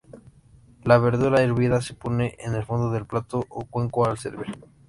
La verdura hervida se pone en el fondo del plato o cuenco al servir.